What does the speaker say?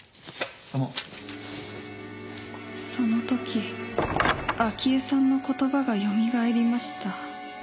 その時明江さんの言葉がよみがえりました。